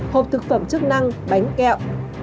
hộp thực phẩm chức năng bánh kẹo